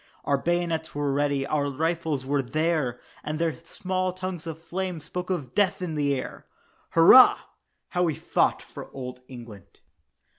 Our bayonets were ready, our rifles were there, And their small tongues of flame spoke of death in the air! "Hurrah, how we fought for Old England."